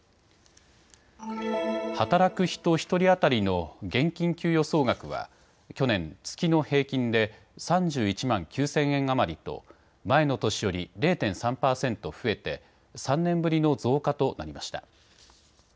働く人１人当たりの現金給与総額は去年、月の平均で３１万９０００円余りと前の年より０．３％増えて３年ぶりの増加となりました。